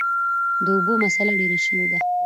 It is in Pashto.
چې د اوبو مسله ډېره شوي ده ـ